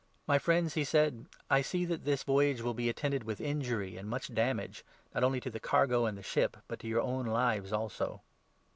"My friends," he said, "I see that this voyage will be 10 attended with injury and much damage, not only to the cargo and the ship, but to our own lives also."